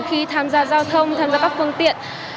khi tham gia giao thông tham gia các phương tiện